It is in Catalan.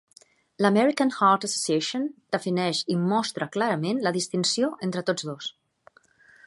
L'American Heart Association defineix i mostra clarament la distinció entre tots dos.